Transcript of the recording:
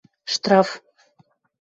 Штраф.